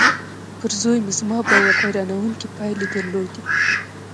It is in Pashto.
پر زوی مې زما باور حيرانوونکې پايلې درلودې.